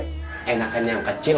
enakan yang kecil atau yang kecil